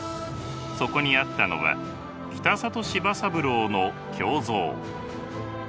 そこにあったのは北里柴三郎の胸像。